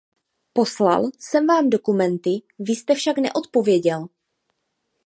Poslal jsem vám dokumenty, vy jste však neodpověděl.